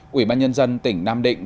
quỹ ban nhân dân tỉnh nam định